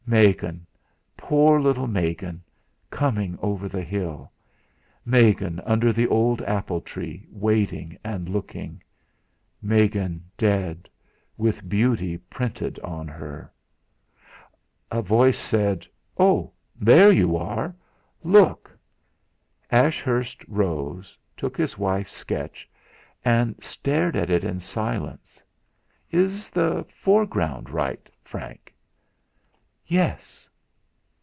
Megan! Poor little Megan coming over the hill! Megan under the old apple tree waiting and looking! Megan dead, with beauty printed on her! A voice said: "Oh, there you are! Look!" Ashurst rose, took his wife's sketch, and stared at it in silence. "Is the foreground right, Frank?" "Yes."